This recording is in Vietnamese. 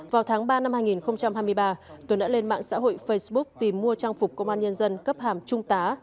vào tháng ba năm hai nghìn hai mươi ba tuấn đã lên mạng xã hội facebook tìm mua trang phục công an nhân dân cấp hàm trung tá